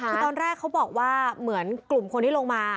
คือตอนแรกเขาบอกว่าเหมือนกลุ่มคนที่ลงมา